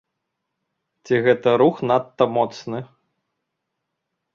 Ці гэты рух надта моцны?